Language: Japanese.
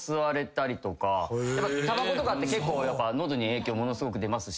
たばことかって結構喉に影響ものすごく出ますし。